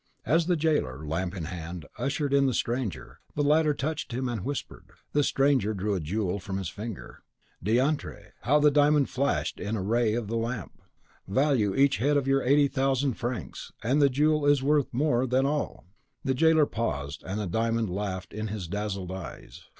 As the jailer, lamp in hand, ushered in the stranger, the latter touched him and whispered. The stranger drew a jewel from his finger. Diantre, how the diamond flashed in the ray of the lamp! Value each head of your eighty at a thousand francs, and the jewel is more worth than all! The jailer paused, and the diamond laughed in his dazzled eyes.